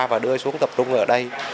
và đưa xuống tập trung ở đây